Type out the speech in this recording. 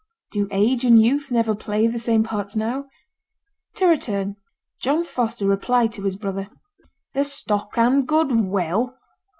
Do age and youth never play the same parts now? To return. John Foster replied to his brother: 'The stock and goodwill!